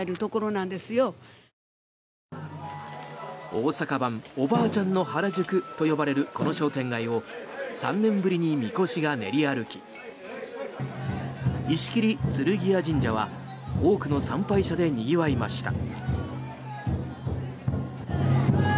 大阪版おばあちゃんの原宿と呼ばれるこの商店街を３年ぶりにみこしが練り歩き石切劔箭神社は多くの参拝者でにぎわいました。